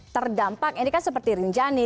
terdampak ini kan seperti rinjani